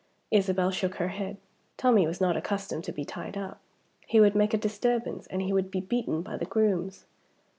Isabel shook her head. Tommie was not accustomed to be tied up. He would make a disturbance, and he would be beaten by the grooms.